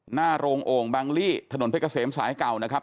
หน้าโรงโอ่งบังลี่ถนนเพชรเกษมสายเก่านะครับ